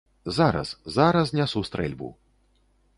Зараз, зараз нясу стрэльбу.